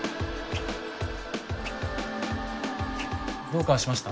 どうかしました？